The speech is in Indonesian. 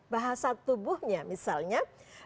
bahasa tubuhnya misalnya